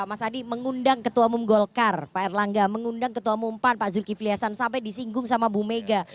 mas adi mengundang ketua umum golkar pak erlangga mengundang ketua umum pan pak zulkifli hasan sampai disinggung sama bu mega